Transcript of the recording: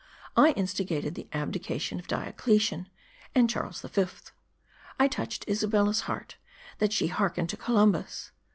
I instigated the abdication of Diocletian, and Charles the Fifth ; I touched Isabella's heart, that she hearkened to Columbus.